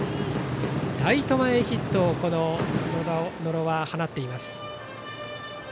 ライト前ヒットを野呂は放っています。